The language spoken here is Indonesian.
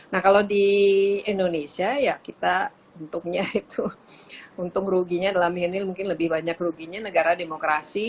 nah kalau di indonesia ya kita untungnya itu untung ruginya dalam ini mungkin lebih banyak ruginya negara demokrasi